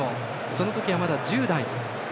その時はまだ１０代。